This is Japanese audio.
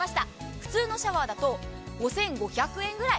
普通のシャワーだと５５００円ぐらい。